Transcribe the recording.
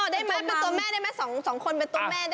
อ๋อได้แม่เป็นตัวแม่ได้ไหมสองคนเป็นตัวแม่